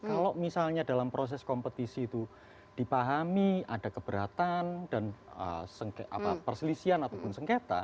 kalau misalnya dalam proses kompetisi itu dipahami ada keberatan dan perselisian